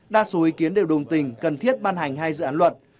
đa số ý kiến đều đồng tình cần thiết ban hành hai dự án luật